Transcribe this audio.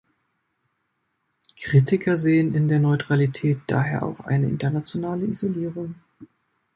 Kritiker sehen in der Neutralität daher auch eine internationale Isolierung.